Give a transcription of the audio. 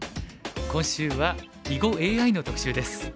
今週は囲碁ＡＩの特集です。